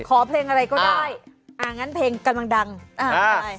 ขอเพลงอะไรก็ได้อ่างั้นเพลงกำลังดังอ่าใช่